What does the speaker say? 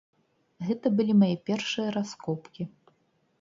Гэта былі мае першыя раскопкі.